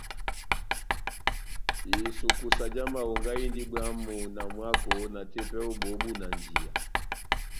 Isukusa já mahonga indi bwamu na mwako na tepɛ ó bóhó búnanjiya.